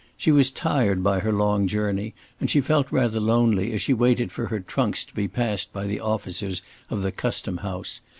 She was tired by her long journey, and she felt rather lonely as she waited for her trunks to be passed by the officers of the custom house.